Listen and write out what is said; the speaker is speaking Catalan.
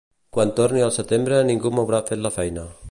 Quan torni al setembre ningú m'haurà fet la feina